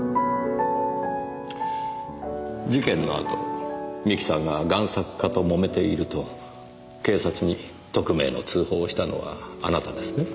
事件の後三木さんが贋作家ともめていると警察に匿名の通報をしたのはあなたですね？